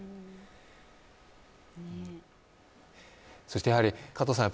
そしてやはり加藤さん